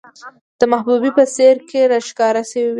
د محبوبې په څېره کې راښکاره شوې،